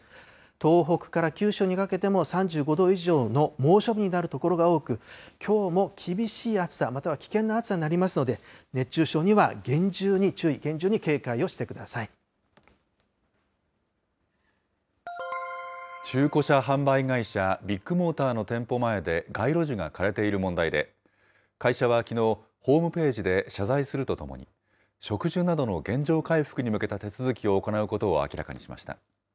東北から九州にかけても３５度以上の猛暑日になる所が多く、きょうも厳しい暑さ、または危険な暑さになりますので、熱中症には厳重に注意、厳重に警戒をしてくだビッグモーターの店舗前で街路樹が枯れている問題で、会社はきのう、ホームページで謝罪するとともに、植樹などの原状回復に向けた手続きを行うことを明らかにしました。